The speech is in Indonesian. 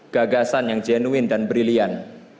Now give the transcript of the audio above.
gagasan yang jenuin dan brilian